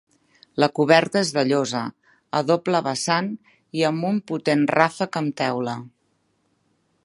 La coberta és de llosa, a doble vessant, i amb un potent ràfec amb teula.